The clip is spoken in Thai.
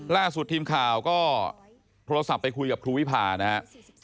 ล่าสุดทีมข่าวก็โทรศัพท์ไปคุยกับครูวิพานะครับ